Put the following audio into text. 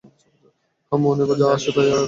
হ্যাঁ, মনে যা আসে, তাই আঁকি আমি।